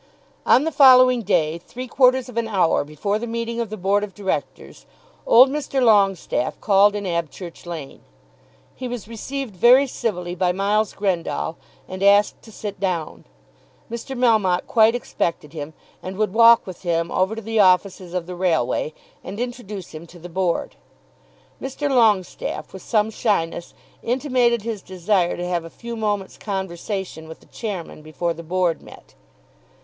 On the following day, three quarters of an hour before the meeting of the Board of Directors, old Mr. Longestaffe called in Abchurch Lane. He was received very civilly by Miles Grendall, and asked to sit down. Mr. Melmotte quite expected him, and would walk with him over to the offices of the railway, and introduce him to the Board. Mr. Longestaffe, with some shyness, intimated his desire to have a few moments conversation with the chairman before the Board met.